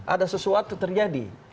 ada sesuatu terjadi